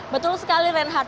betul sekali renhard